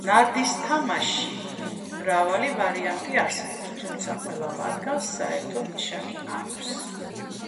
ნარდის თამაშის მრავალი ვარიანტი არსებობს, თუმცა ყველა მათგანს საერთო ნიშნები აქვს.